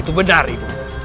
itu benar ibu